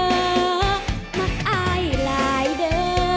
เท็ดลายเด้อมักอายหลายเด้อ